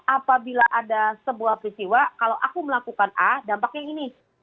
apabila ada sebuah peristiwa kalau aku melakukan a dampaknya ini